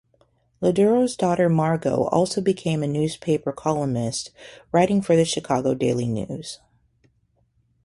Lederer's daughter Margo also became a newspaper columnist, writing for the "Chicago Daily News".